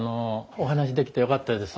お話しできてよかったです。